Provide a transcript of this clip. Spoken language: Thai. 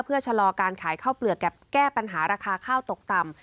เพื่อชะลอการขายข้าวเปลือกแก้ปัญหาราคาข้าวตกต่ำ